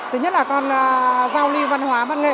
thứ nhất là con giao lưu văn hóa văn nghệ